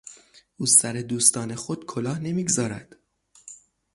او سر دوستان خود کلاه نمیگذارد.